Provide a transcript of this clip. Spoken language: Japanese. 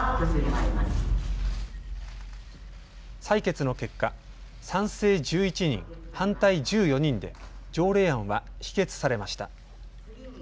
採決の結果、賛成１１人、反対１４人で条例案は否決されました。